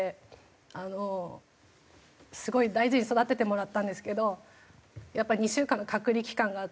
あのすごい大事に育ててもらったんですけどやっぱり２週間の隔離期間があって。